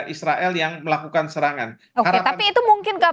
israel yang melakukan serangan